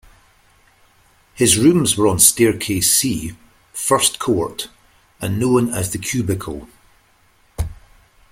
His rooms were on staircase C, First Court, and known as the 'Q-bicle'.